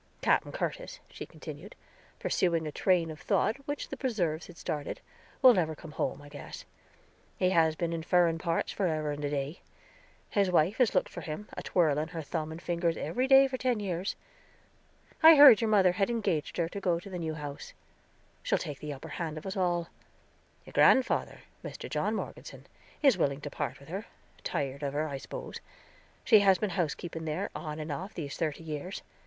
"Capen Curtis," she continued, pursuing a train of thought which the preserves had started, "will never come home, I guess. He has been in furen parts forever and a day; his wife has looked for him, a twirling her thumb and fingers, every day for ten years. I heard your mother had engaged her to go in the new house; she'll take the upper hand of us all. Your grandfather, Mr. John Morgeson, is willing to part with her; tired of her, I spose. She has been housekeeping there, off and on, these thirty years.